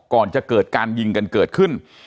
ก่อนจะเกิดการยิงกันเกิดขึ้น